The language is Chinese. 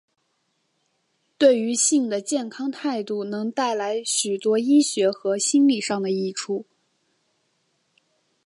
对于性的健康态度能带来许多医学和心里上的益处。